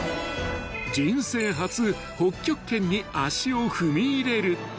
［人生初北極圏に足を踏み入れる］